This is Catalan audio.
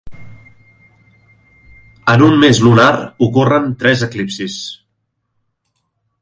En un mes lunar ocorren tres eclipsis.